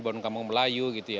bom kampung melayu